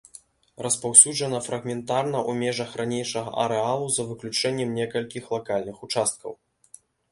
Распаўсюджана фрагментарна ў межах ранейшага арэалу, за выключэннем некалькіх лакальных участкаў.